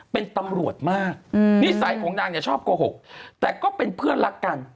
เป็นตำรวจมากนิสัยของนางเนี่ยชอบโกหกแต่ก็เป็นเพื่อนรักกัน